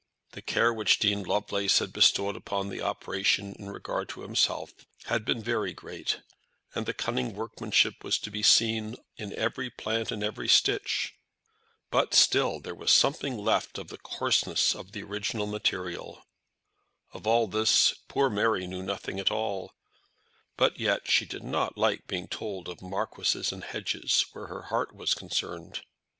The care which Dean Lovelace had bestowed upon the operation in regard to himself had been very great, and the cunning workmanship was to be seen in every plait and every stitch. But still there was something left of the coarseness of the original material. Of all this poor Mary knew nothing at all; but yet she did not like being told of marquises and hedges where her heart was concerned.